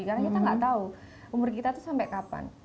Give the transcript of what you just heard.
karena kita nggak tahu umur kita tuh sampai kapan